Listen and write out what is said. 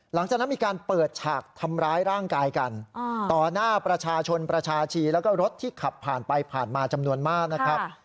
หลังจากนั้นมีการเปิดฉากทำร้ายร่างกายกันต่อหน้าประชาชนประชาชีแล้วก็รถที่ขับผ่านไปผ่านมาจำนวนมากนะครับ